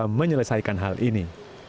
mencoba menyelesaikan hal ini